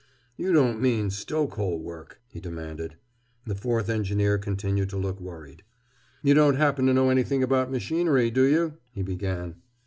"You don't mean stoke hole work?" he demanded. The fourth engineer continued to look worried. "You don't happen to know anything about machinery, do you?" he began.